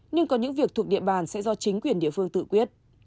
nhưng có những việc thuộc địa bàn sẽ do chính quyền địa phương tự quyết